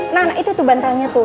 nah anak itu tuh bantalnya tuh